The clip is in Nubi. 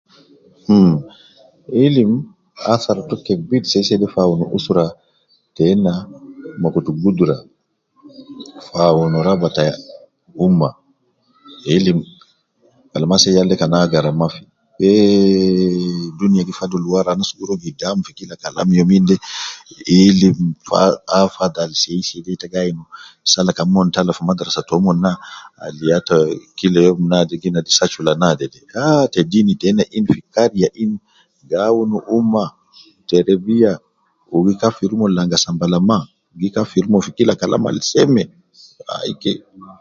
Mh, ilim athar to kebir seiseide fi awun usra tena ma kutu gudra fi awun raba ta ummah, ilim, Kalam ase yal de kan agara mafi, ehh, dunia gi fadul wara anas gu ruwa gidam fi Kalam youminde, ilim ,fa afadhal seiseide te gi ayin sala kan mon tala fi madrasa tomon na al ya ta kila youm naade gi nadi secular naade ah te deeni tena in fi kariya in gi awunu ummah, terebiya wu gi kafir omon langa sambala mma, gi kafir omon fi kila Kalam al seme , aike